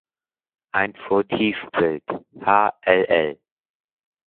Ein Votivbild Hll.